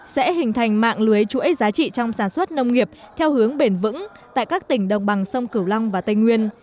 sẽ hình thành mạng lưới chuỗi giá trị trong sản xuất nông nghiệp theo hướng bền vững tại các tỉnh đồng bằng sông cửu long và tây nguyên